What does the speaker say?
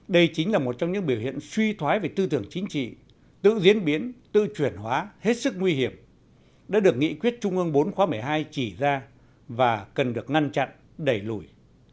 đây chính là một trong những biểu hiện suy thoái về tư tưởng chính trị tự diễn biến tự chuyển hóa hết sức nguy hiểm đã được nghị quyết trung ương bốn khóa một mươi hai chỉ ra và cần được ngăn chặn đẩy lùi